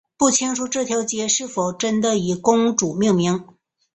不清楚这条街是否真的以公主命名。